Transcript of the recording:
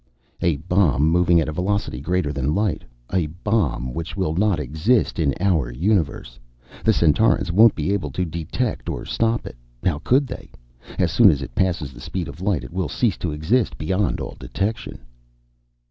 "A bomb, moving at a velocity greater than light. A bomb which will not exist in our universe. The Centaurans won't be able to detect or stop it. How could they? As soon as it passes the speed of light it will cease to exist beyond all detection."